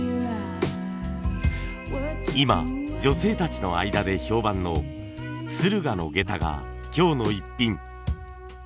今女性たちの間で評判の駿河の下駄が今日のイッピン。